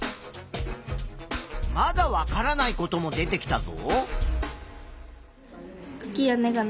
まだわからないことも出てきたぞ。